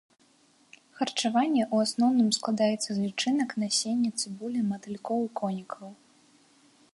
Харчаванне ў асноўным складаецца з лічынак, насення, цыбулін, матылькоў і конікаў.